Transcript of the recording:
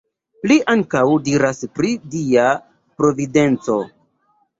Li ankaŭ diras pri Dia Providenco.